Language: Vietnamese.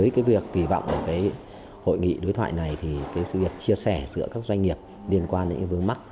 với cái việc kỳ vọng ở cái hội nghị đối thoại này thì cái sự việc chia sẻ giữa các doanh nghiệp liên quan đến những vướng mắt